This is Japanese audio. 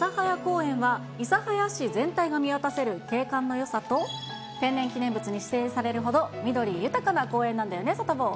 諫早公園は諫早市全体が見渡せる景観のよさと、天然記念物に指定されるほど緑豊かな公園なんだよね、サタボー。